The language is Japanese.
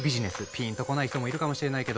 ピンとこない人もいるかもしれないけど